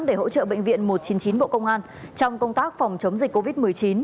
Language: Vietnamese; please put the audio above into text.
để hỗ trợ bệnh viện một trăm chín mươi chín bộ công an trong công tác phòng chống dịch covid một mươi chín